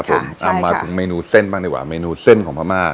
ผมเอามาถึงเมนูเส้นบ้างดีกว่าเมนูเส้นของพม่า